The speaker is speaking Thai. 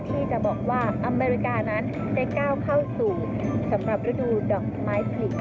ที่จะบอกว่าอเมริกานั้นได้ก้าวเข้าสู่สำหรับฤดูดอกไม้ผลิก